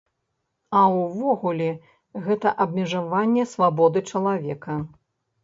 А ўвогуле, гэта абмежаванне свабоды чалавека.